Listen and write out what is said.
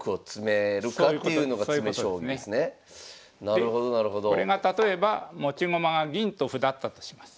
でこれが例えば持ち駒が銀と歩だったとします。